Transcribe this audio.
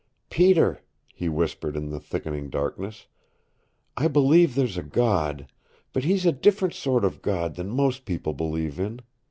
"Peter," he whispered in the thickening darkness. "I believe there's a God, but He's a different sort of God than most people believe in.